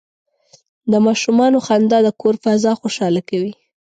د ماشومانو خندا د کور فضا خوشحاله کوي.